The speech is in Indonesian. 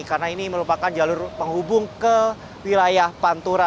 karena ini merupakan jalur penghubung ke wilayah pantura